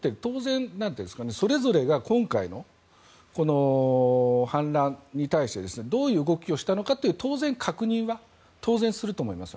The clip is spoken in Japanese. それぞれが今回の反乱に対してどういう動きをしたのかという確認は、当然すると思います。